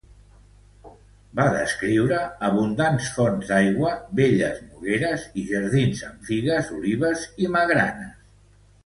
Va descriure que abundants fonts d'aigua, belles nogueres i jardins amb figues, olives i magranes.